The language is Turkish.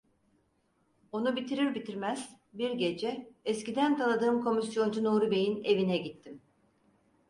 Onu bitirir bitirmez, bir gece, eskiden tanıdığım komisyoncu Nuri Bey'in evine gittim.